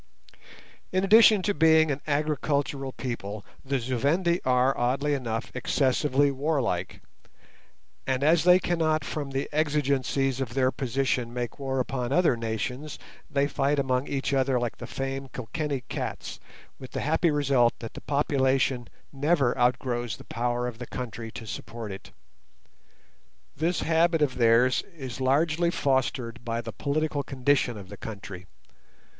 In addition to being an agricultural people, the Zu Vendi are, oddly enough, excessively warlike, and as they cannot from the exigencies of their position make war upon other nations, they fight among each other like the famed Kilkenny cats, with the happy result that the population never outgrows the power of the country to support it. This habit of theirs is largely fostered by the political condition of the country.